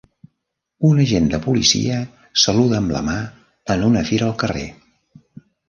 Un agent de policia saluda amb la mà en una fira al carrer.